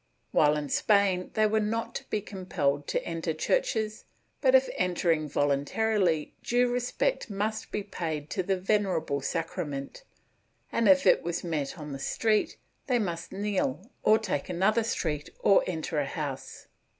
While in Spain they were not to be com pelled to enter churches but, if entering voluntarily, due respect must be paid to the Venerable Sacrament and, if it was met on the street, they must kneel, or take another street or enter a house.